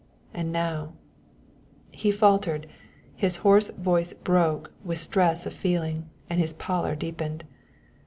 And now " He faltered, his hoarse voice broke with stress of feeling, and his pallor deepened.